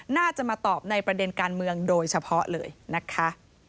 น่าจะมาตอบในประเด็นการเมืองโดยเฉพาะเลยนะคะ